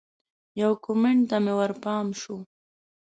یو کمنټ ته مې ورپام شو